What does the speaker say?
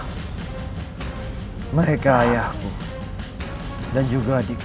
ya aku kenal mereka ayahku dan juga adikku